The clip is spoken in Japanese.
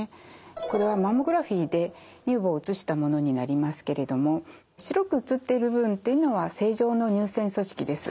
これはマンモグラフィーで乳房を写したものになりますけれども白く写っている部分というのは正常の乳腺組織です。